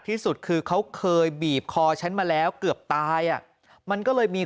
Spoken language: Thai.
ที่สุดคือเขาเคยบีบคอฉันมาแล้วเกือบตายอ่ะมันก็เลยมี